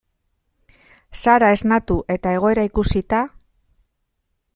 Sara esnatu eta egoera ikusita.